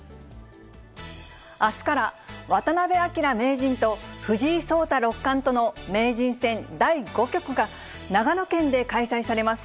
あすから渡辺明名人と藤井聡太六冠との名人戦第５局が、長野県で開催されます。